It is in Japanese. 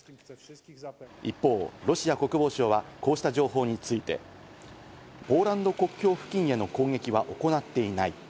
一方、ロシア国防省はこうした情報について、ポーランド国境付近への攻撃は行っていない。